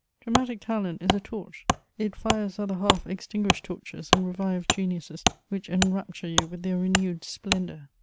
Dramatic talent is a torch: it fires other half extinguished torches and revives geniuses which enrapture you with their renewed splendour.